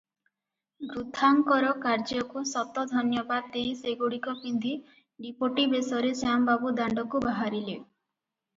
ବୃଦ୍ଧାଙ୍କର କାର୍ଯ୍ୟକୁ ଶତ ଧନ୍ୟବାଦ ଦେଇ ସେଗୁଡ଼ିକ ପିନ୍ଧି ଡିପୋଟି ବେଶରେ ଶ୍ୟାମବାବୁ ଦାଣ୍ଡକୁ ବାହାରିଲେ ।